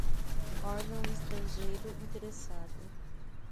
órgão estrangeiro interessado